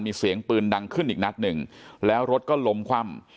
มีเสียงปืนดังขึ้นอีกนัดหนึ่งแล้วรถก็ล้มคว่ำ